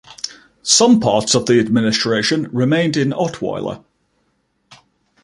Some parts of the administration remained in Ottweiler.